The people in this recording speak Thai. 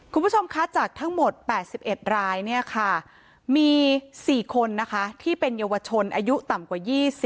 คุณผู้ชมคะจากทั้งหมด๘๑รายเนี่ยค่ะมี๔คนนะคะที่เป็นเยาวชนอายุต่ำกว่า๒๐